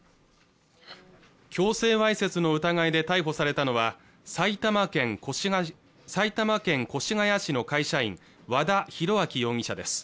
強制わいせつの疑いで逮捕されたのは埼玉県越谷市の会社員和田広昭容疑者です